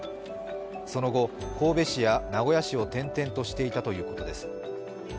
その後、神戸市や名古屋市を転々としていたということです。